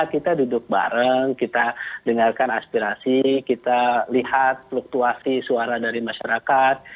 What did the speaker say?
kita duduk bareng kita dengarkan aspirasi kita lihat fluktuasi suara dari masyarakat